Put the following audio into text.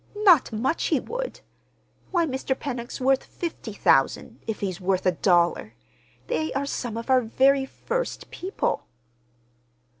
Not much he would! Why, Mr. Pennock's worth fifty thousand, if he's worth a dollar! They are some of our very first people."